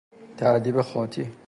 تأدیب خاطی